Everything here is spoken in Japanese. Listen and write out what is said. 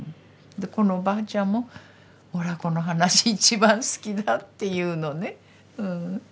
このおばあちゃんも「おらこの話一番好きだ」って言うのね。